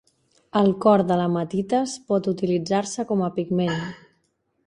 El color de l'hematites pot utilitzar-se com a pigment.